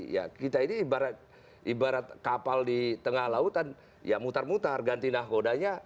ya kita ini ibarat kapal di tengah lautan ya mutar mutar ganti nahodanya